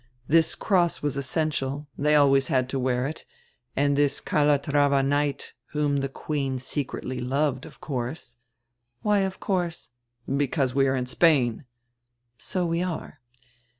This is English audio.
This cross was essential, they always had to wear it, and this Cala trava knight, whom die queen secretly loved, of course —" "Why of course?" "Because we are in Spain." "So we are."